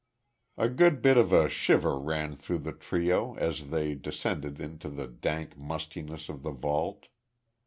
A good bit of a shiver ran through the trio as they descended into the dank mustiness of the vault.